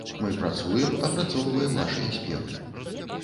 Мы працуем, апрацоўваем вашыя спевы.